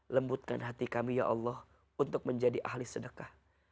lembutkan hati kami ya allah untuk menjadi ahli sedekah